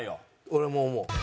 俺も思う。